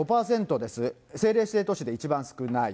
政令指定都市で一番少ない。